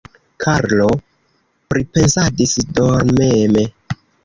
Karlo pripensadis dormeme.